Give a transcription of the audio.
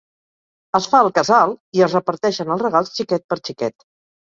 Es fa al casal i es reparteixen els regals xiquet per xiquet.